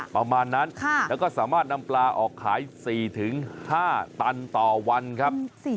ประมาณนั้นแล้วก็สามารถนำปลาออกขาย๔๕ตันต่อวันครับ